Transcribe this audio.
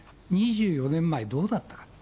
２４年前、どうだったか。